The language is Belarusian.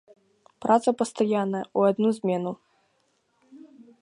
Праца пастаянная, у адну змену.